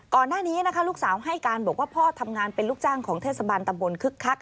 ก่อนหน้านี้นะคะลูกสาวให้การบอกว่าพ่อทำงานเป็นลูกจ้างของเทศบาลตำบลคึกคัก